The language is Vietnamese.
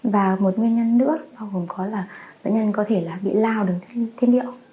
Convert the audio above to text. và một nguyên nhân nữa bao gồm có là nguyên nhân có thể là bị lao đường tiết niệm